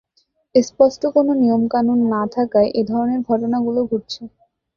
স্পষ্ট কোন নিয়ম-কানুন না থাকায় এ ধরনের ঘটনাগুলো ঘটেছে।